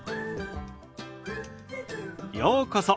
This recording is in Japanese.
ようこそ。